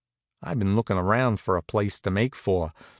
I'd been lookin' around for a place to make for.